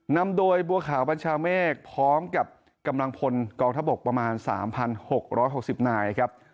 นำโดยบัวขาวบัญชาเมฆพร้อมกับกำลังพลกองทบกประมาณ๓๖๖๐นายครับ